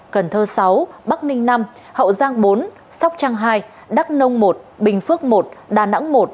cần thơ sáu bắc ninh năm hậu giang bốn sóc trăng hai đắk nông một bình phước một đà nẵng một